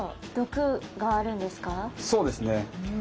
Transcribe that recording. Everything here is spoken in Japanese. そうですね。